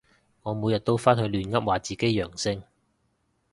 我每日都返去亂噏話自己陽性